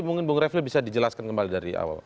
mungkin bung refli bisa dijelaskan kembali dari awal